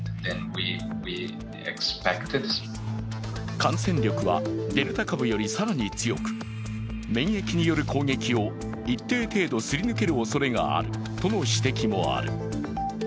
感染力はデルタ株より更に強く、免疫による攻撃を一定程度すり抜けるおそれがあるとの指摘もある。